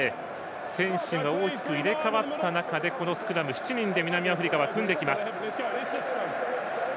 選手が大きく入れ替わった中でこのスクラム、７人で南アフリカは組んできます。